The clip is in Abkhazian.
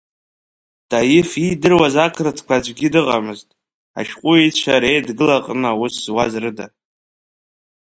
Таиф иидыруаз ақырҭқәа аӡәгьы дыҟаӡамызт, ашҟәыҩҩцәа Реидгыла аҟны аус зуаз рыда.